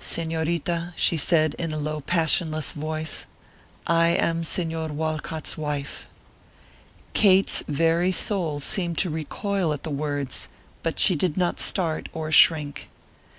"Señorita," she said, in a low, passionless voice, "I am Señor Walcott's wife." Kate's very soul seemed to recoil at the words, but she did not start or shrink.